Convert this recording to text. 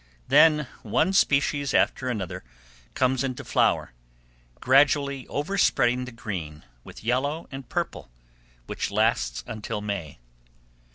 Then one species after another comes into flower, gradually overspreading the green with yellow and purple, which lasts until May.